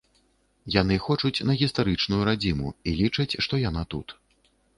Яны хочуць на гістарычную радзіму і лічаць, што яна тут.